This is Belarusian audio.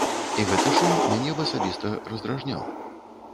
І гэты шум мяне б асабіста раздражняў.